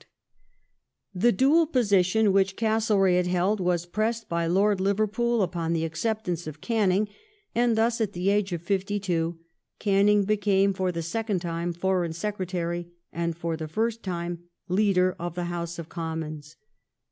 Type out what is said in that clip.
^ The dual position which Castlereagh had held was pressed Canning by Lord Liverpool upon the acceptance of Canning, and thus, at the age of fifty two, Canning became, for the second time, Foreign Secretary, and, for the first time, Leader of the House of Commons.